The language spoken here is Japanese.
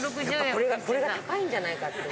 これが高いんじゃないかって。